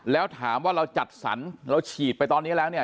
แล้วถามว่าเราจัดสรรเราฉีดไปตอนนี้แล้วเนี่ย